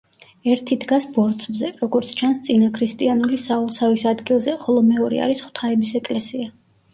ერთი დგას ბორცვზე, როგორც ჩანს, წინაქრისტიანული სალოცავის ადგილზე, ხოლო მეორე არის ღვთაების ეკლესია.